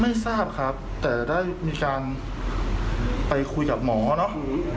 ไม่ทราบครับแต่ได้มีการไปคุยกับหมอเนอะ